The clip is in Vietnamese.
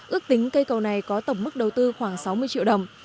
ước tính cây cầu này có tổng mức đầu tư khoảng sáu mươi triệu đồng